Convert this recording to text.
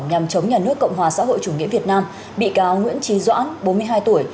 nhằm chống nhà nước cộng hòa xã hội chủ nghĩa việt nam bị cáo nguyễn trí doãn bốn mươi hai tuổi